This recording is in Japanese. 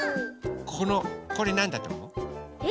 これなんだとおもう？え？